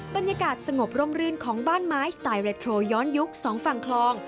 บรรยากาศสงบร่มรื่นของบ้านไม้สไตเรทโทรย้อนยุคสองฝั่งคลอง